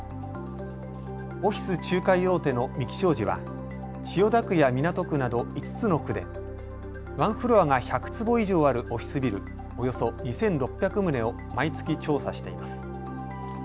オフィス仲介大手の三鬼商事は千代田区や港区など５つの区で１フロアが１００坪以上あるオフィスビル、およそ２６００棟を毎月調査しています。